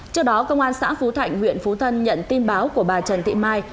trước đó công an xã phú thạnh huyện phú thân nhận tin báo của bà trần thị mai